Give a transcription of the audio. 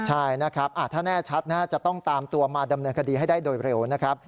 ใช่นะครับถ้าแน่ชัดจะต้องตามตัวมาดำเนินคดีให้ได้โดยเร็วนะครับ